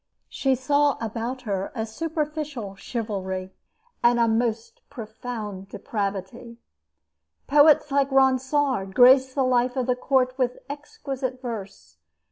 She saw about her a superficial chivalry and a most profound depravity. Poets like Ronsard graced the life of the court with exquisite verse.